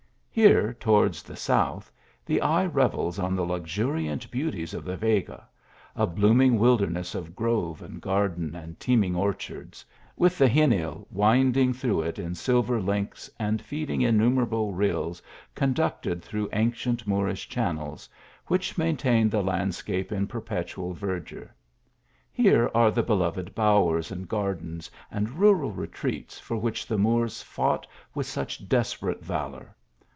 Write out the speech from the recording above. Here, towards the south, the eye revels on the luxuriant beauties of the Vega ; a blooming wilder ness of grove and garden, and teeming o~?hard ; with the Xenil winding through it in silver links and feeding innumerable rills, conducted through ancient Moorish channels, which maintain the land scape in perpetual verdure. Here are the beloved bowers and gardens, and rural retreats for which the Moors fought with such desperate valour.